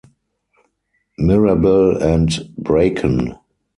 Mirabel and Bracon.